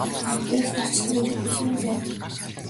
Гэрэлт орчлон гэдэг эх минь байв.